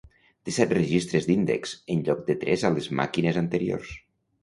Té set registres d'índex, en lloc de tres a les màquines anteriors.